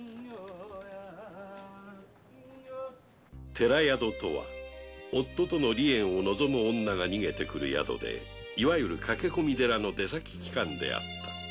寺宿とは夫との離縁を望む女が逃げてくる宿でいわゆる「駆け込み寺」の出先機関であった。